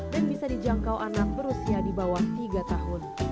bisa dijangkau anak berusia di bawah tiga tahun